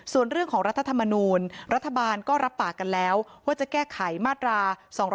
ส่วนเรื่องของรัฐธรรมนูลรัฐบาลก็รับปากกันแล้วว่าจะแก้ไขมาตรา๒๗